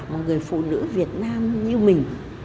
một người phụ nữ việt nam như mình